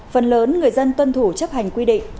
phần lớn người dân tuân thủ chấp hành quy định